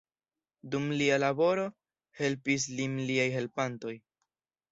Dum lia laboro helpis lin liaj helpantoj.